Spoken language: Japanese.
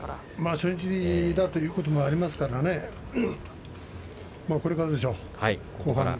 初日ということもありますからねこれからでしょう。